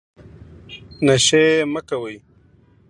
نشې مه کوئ